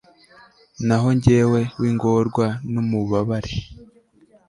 naho jyewe, w'ingorwa n'umubabare